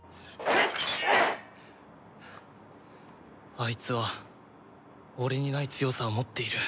あいつは俺にない強さを持っている